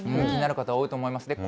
気になる方、多いと思います。